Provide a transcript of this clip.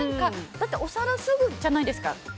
お皿すぐじゃないですか。